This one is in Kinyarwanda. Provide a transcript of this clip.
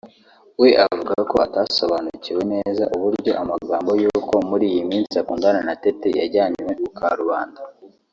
we avuga ko atasobanukiwe neza uburyo amagambo y’uko muri iyi minsi akundana na Tete yajyanwe ku karubanda